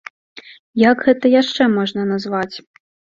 Як гэта яшчэ можна назваць?